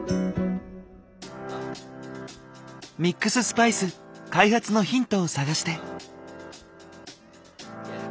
ミックススパイス開発のヒントを探して。